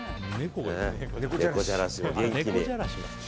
猫じゃらしも元気に。